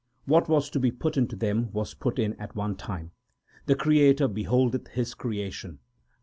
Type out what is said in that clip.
What was to be put into them was put in at one time. 2 The Creator beholdeth His creation.